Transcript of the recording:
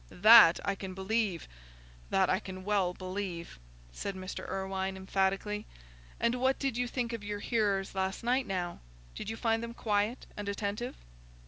"That I can believe—that I can well believe," said Mr. Irwine, emphatically. "And what did you think of your hearers last night, now? Did you find them quiet and attentive?"